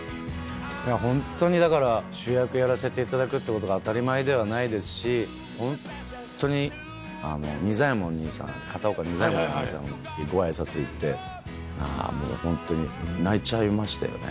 ホントにだから主役やらせていただくってことが当たり前ではないですしホントに片岡仁左衛門兄さんにご挨拶行ってホントに泣いちゃいましたよね。